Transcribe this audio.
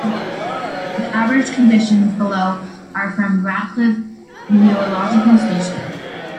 The average conditions below are from the Radcliffe Meteorological Station.